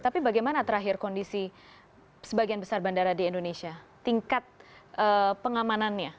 tapi bagaimana terakhir kondisi sebagian besar bandara di indonesia tingkat pengamanannya